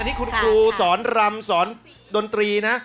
นี่คุณครูสอนรำสอนดนตรีนะ